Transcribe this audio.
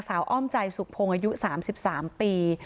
นักสาวอ้อมใจสุขโพงอายุ๓๓ปี